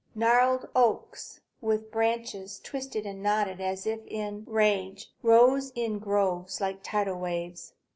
Gnarled oaks, with branches twisted and knotted as if in rage, rose in groves like tidal waves.